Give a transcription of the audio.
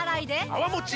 泡もち